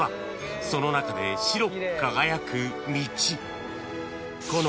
［その中で白く輝く道］